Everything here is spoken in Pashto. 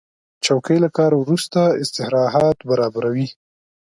چوکۍ له کار وروسته استراحت برابروي.